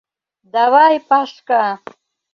— Давай, Пашка!